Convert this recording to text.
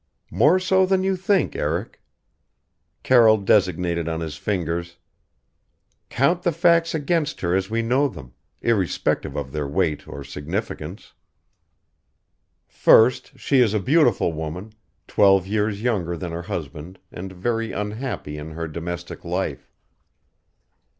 "More so than you think, Eric." Carroll designated on his fingers, "Count the facts against her as we know them: irrespective of their weight or significance. "First, she is a beautiful woman, twelve years younger than her husband and very unhappy in her domestic life.